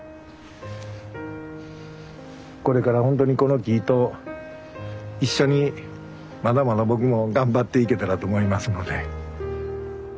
これからほんとにこの木と一緒にまだまだ僕も頑張っていけたらと思いますので。